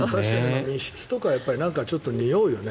密室とかにおうよね。